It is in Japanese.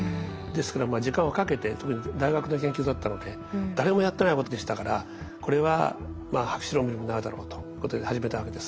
ですから時間をかけて特に大学の研究だったので誰もやってないことでしたからこれは博士論文になるだろうということで始めたわけです。